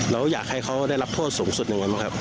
เราอยากให้เขาได้รับโทษสูงสุดยังไงบ้างครับ